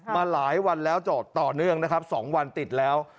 มาหลายวันแล้วจอดต่อเนื่องนะครับ๒วันติดแล้ว